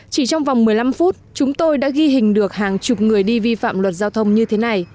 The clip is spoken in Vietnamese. chỉ trong vòng một mươi năm phút chúng tôi đã ghi hình được hàng chục người đi vi phạm luật giao thông như thế này